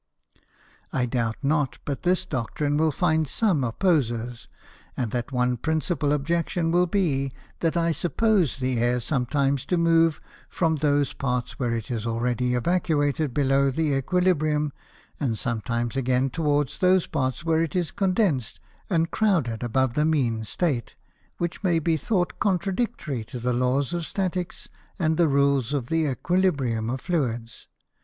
I doubt not but this Doctrine will find some Opposers, and that one principal Objection will be, that I suppose the Air sometimes to move from those Parts where it is already evacuated below the Æquilibrium, and sometimes again towards those parts, where it is condens'd and crouded above the mean State, which may be thought contradictory to the Laws of Staticks and the Rules of the Æquilibrium of Fluids.